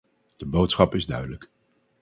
De boodschap is duidelijk.